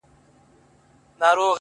ښكلي دا ستا په يو نظر كي جادو.!